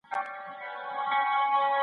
هیوادونه به خلګو ته ازادي ورکړي.